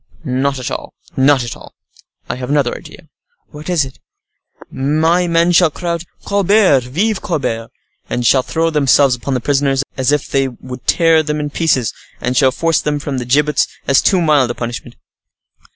"Not at all,—not at all. I have another idea." "What is that?" "My men shall cry out, 'Colbert, vive Colbert!' and shall throw themselves upon the prisoners as if they would tear them in pieces, and shall force them from the gibbets, as too mild a punishment."